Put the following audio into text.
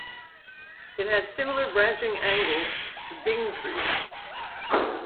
It has similar branching angles to Bing trees.